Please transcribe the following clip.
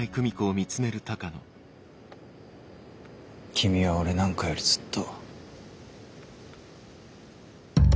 君は俺なんかよりずっと。